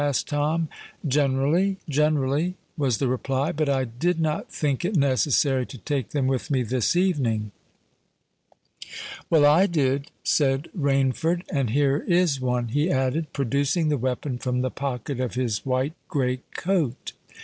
asked Tom. "Generally—generally," was the reply. "But I did not think it necessary to take them with me this evening." "Well, I did," said Rainford. "And here is one," he added, producing the weapon from the pocket of his white great coat.